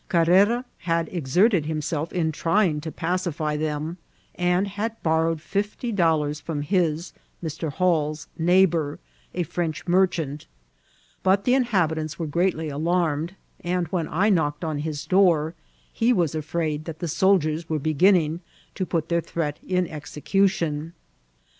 Carrera had exerted him* self in trying to pacify them, and had borrowed fifty dollars from his (Mr. Hall's) neighbour, a French mer chant ; but the inhabitants were greatly alarmed ; and when I knocked at his door he was afraid that the soU diers were beginning to put their threat in execution.